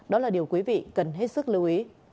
đó là điều quý vị cần hết sức lưu ý